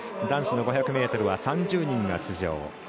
男子の５００ｍは３０人が出場。